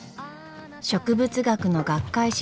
植物学の学会誌